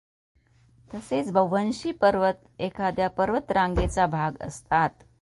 तसेच बव्हंशी पर्वत एखाद्या पर्वतरांगेचा भाग असतात.